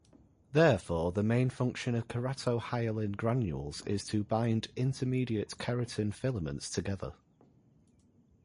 Therefore, the main function of keratohyalin granules is to bind intermediate keratin filaments together.